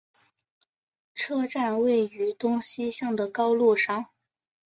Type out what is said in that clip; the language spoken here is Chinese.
车站位于东西向的高路上。